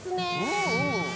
うんうん。